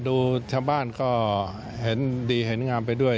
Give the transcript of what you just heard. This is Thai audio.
ดูชาวบ้านก็เห็นดีเห็นงามไปด้วย